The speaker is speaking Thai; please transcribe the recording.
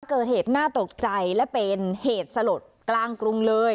เกิดเหตุน่าตกใจและเป็นเหตุสลดกลางกรุงเลย